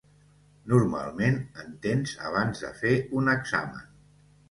Normalment, en tens abans de fer un examen.